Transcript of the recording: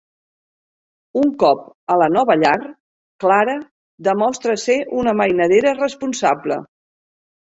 Un cop a la nova llar, Clara demostra ser una mainadera responsable.